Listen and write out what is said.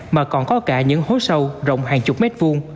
mà còn có cả những hố sâu rộng hàng chục mét vuông